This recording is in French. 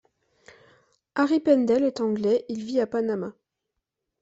Harry Pendel est Anglais, il vit à Panama.